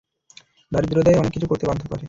দারিদ্রতাই অনেক কিছু করতে বাধ্য করে।